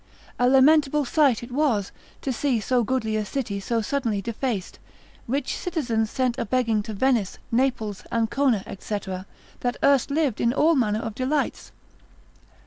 A lamentable sight it was to see so goodly a city so suddenly defaced, rich citizens sent a begging to Venice, Naples, Ancona, &c., that erst lived in all manner of delights.